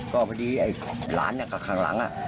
ก็พอดีล้านข้างหลัง